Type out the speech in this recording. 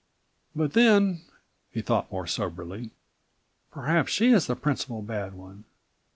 "But then," he thought more soberly, "perhaps she is the principal bad one.